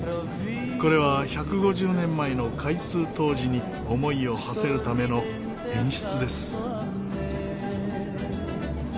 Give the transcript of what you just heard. これは１５０年前の開通当時に思いを馳せるための演出です。